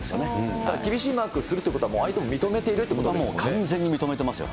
ただ、厳しいマークをするということは、もう相手も認めてい完全に認めてますよ。